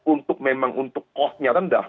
untuk memang untuk cost nya rendah